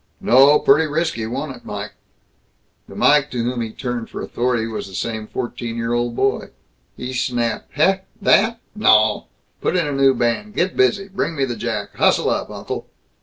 "No. Pretty risky. Wa'n't it, Mike?" The Mike to whom he turned for authority was the same fourteen year old boy. He snapped, "Heh? That? Naw! Put in new band. Get busy. Bring me the jack. Hustle up, uncle."